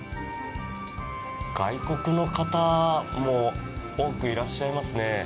外国の方も多くいらっしゃいますね。